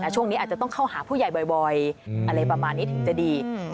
ช่วงนี้อาจจะต้องเข้าหาผู้ใหญ่บ่อยอะไรประมาณนี้ถึงจะดี